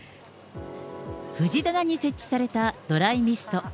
藤棚に設置されたドライミスト。